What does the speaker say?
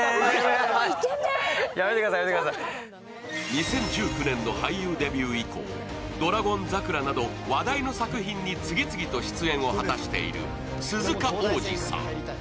２０１９年の俳優デビュー以降、「ドラゴン桜」など話題の作品に次々と出演を果たしている鈴鹿央士さん。